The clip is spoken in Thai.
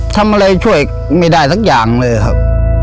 ทำอะไรช่วยไม่ได้สักอย่างเลยครับ